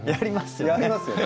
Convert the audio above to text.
やりますよね。